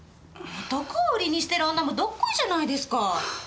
男を売りにしてる女もどっこいじゃないですか。